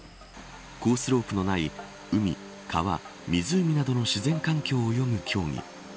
コースロープのない海、川、湖などの自然環境を泳ぐ競技。